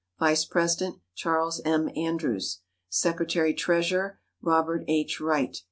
Vice President Charles M. Andrews. Secretary Treasurer Robert H. Wright.